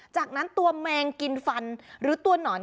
จากนั้นตัวแมงกินฟันหรือตัวหนอน